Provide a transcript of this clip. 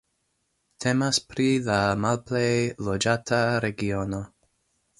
Temas pri la malplej loĝata regiono.